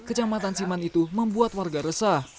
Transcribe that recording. kecamatan siman itu membuat warga resah